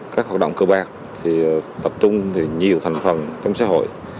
các hoạt động cơ bạc tập trung nhiều thành phần trong xã hội